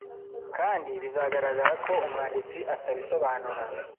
kandi bizagaragara ko umwanditsi atabisobanura